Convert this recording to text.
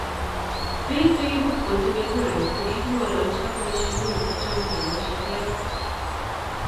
Bik chikipkotile kurait kokikingolochi ak waheshimiwa kotom kewal sheriyait.